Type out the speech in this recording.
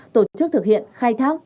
tổ chức thực hiện khai thác